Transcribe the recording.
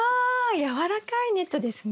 やわらかいネットですね？